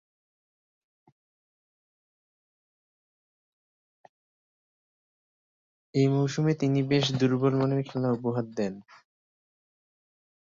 এ মৌসুমে তিনি বেশ দূর্বলমানের খেলা উপহার দেন।